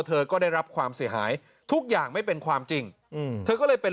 เธอก็ได้รับความเสียหายทุกอย่างไม่เป็นความจริงอืมเธอก็เลยเป็น